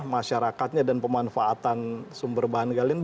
masyarakatnya dan pemanfaatan sumber bahan galin